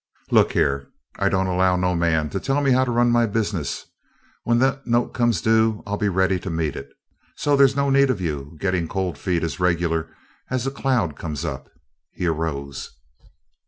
"Look here I don't allow no man to tell me how to run my business! When that note comes due I'll be ready to meet it, so there's no need of you gettin' cold feet as reg'lar as a cloud comes up." He arose.